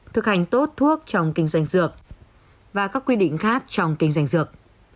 thực hành tốt thuốc trong kinh doanh dược và các quy định khác trong kinh doanh dược